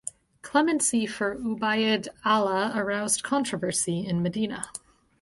Clemency for Ubayd Allah aroused controversy in Medina.